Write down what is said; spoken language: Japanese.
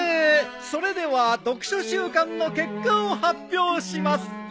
それでは読書週間の結果を発表します。